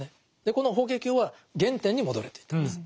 この「法華経」は原点に戻れといったんです。